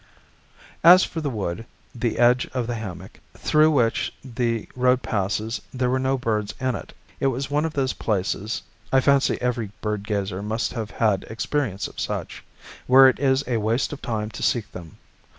As for the wood, the edge of the hammock, through which the road passes, there were no birds in it. It was one of those places (I fancy every bird gazer must have had experience of such) where it is a waste of time to seek them.